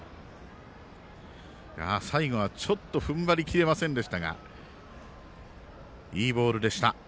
最後は、ちょっとふんばりきれませんでしたがいいボールでした。